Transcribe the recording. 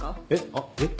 あっえっ？